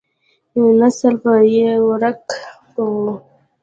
نسل به يې ورک کو.